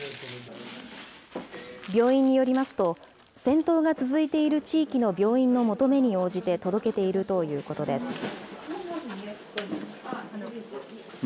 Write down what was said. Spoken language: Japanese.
病院によりますと、戦闘が続いている地域の病院の求めに応じて届けているということです。